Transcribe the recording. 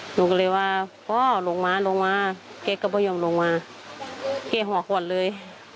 หนูก็เลยว่าพ่อลงมาลงมาเกรียร์ก็ไม่ยอมลงมาเกรียร์หอควรเลย